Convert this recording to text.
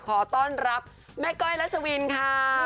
ขอต้อนรับแม่ก้อยรัชวินค่ะ